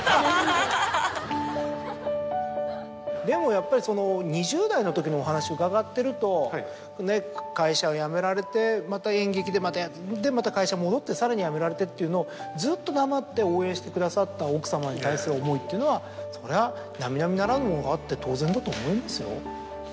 でもやっぱりその２０代のときのお話伺ってると会社を辞められてまた演劇でまたやってまた会社戻ってさらに辞められてっていうのをずっと黙って応援してくださった奥様に対する思いっていうのはそりゃ並々ならぬものがあって当然だと思いますよ。